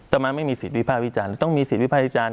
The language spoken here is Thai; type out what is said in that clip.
ต่อมาไม่มีสิทธิวิภาควิจารณ์ต้องมีสิทธิวิภาควิจารณ์